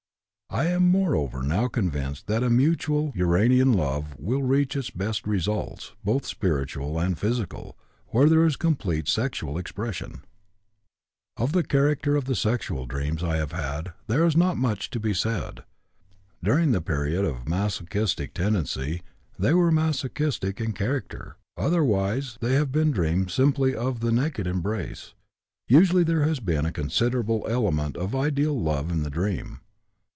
I am, moreover, now convinced that a mutual uranian love will reach its best results, both spiritual and physical, where there is complete sexual expression. "Of the character of the sexual dreams I have had, there is not much to be said. During the period of masochistic tendency, they were masochistic in character; otherwise they have been dreams simply of the naked embrace. Usually there has been a considerable element of ideal love in the dream.